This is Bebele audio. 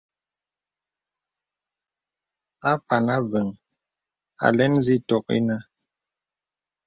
Apàn Avə̄ŋ alɛ̄n zitok inə̀.